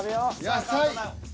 野菜？